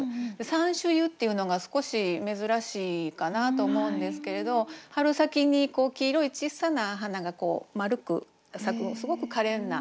「山茱萸」っていうのが少し珍しいかなと思うんですけれど春先に黄色いちっさな花が丸く咲くすごくかれんな。